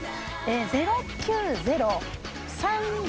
０９０３５４。